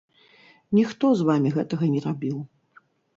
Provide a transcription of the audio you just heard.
Ніхто з вамі гэтага не рабіў.